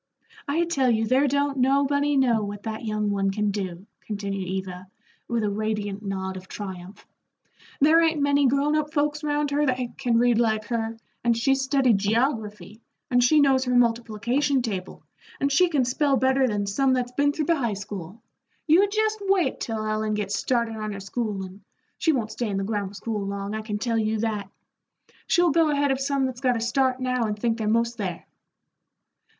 "I tell you there don't nobody know what that young one can do," continued Eva, with a radiant nod of triumph. "There ain't many grown up folks round here that can read like her, and she's studied geography, and she knows her multiplication table, and she can spell better than some that's been through the high school. You jest wait till Ellen gets started on her schoolin' she won't stay in the grammar school long, I can tell you that. She'll go ahead of some that's got a start now and think they're 'most there."